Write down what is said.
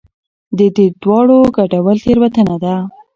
د دې دواړو ګډول تېروتنه ده.